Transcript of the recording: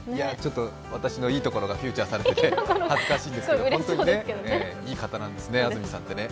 私のいいところがフィーチャーされてて恥ずかしいですが、本当にいい方なんですね、安住さんってね。